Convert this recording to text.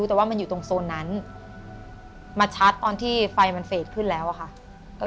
แต่ว่ามันอยู่ตรงโซนนั้นมาชัดตอนที่ไฟมันเฟสขึ้นแล้วอะค่ะ